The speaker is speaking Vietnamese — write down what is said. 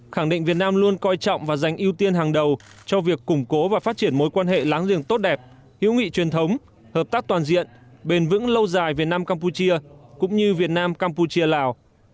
khẳng định việt nam luôn coi trọng và dành ưu tiên hàng đầu cho việc củng cố và phát triển mối quan hệ láng giềng tốt đẹp hữu nghị truyền thống hợp tác toàn diện bền vững lâu dài việt nam campuchia cũng như việt nam campuchia lào